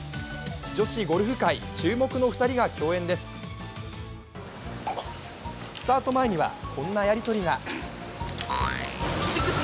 女子ゴルフ界注目の２人が競演ですスタート前にはこんなやりとりが。